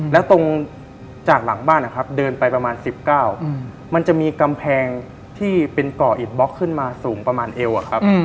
แล้วตรงจากหลังบ้านนะครับเดินไปประมาณ๑๙มันจะมีกำแพงที่เป็นก่ออิดบล็อกขึ้นมาสูงประมาณเอวอะครับ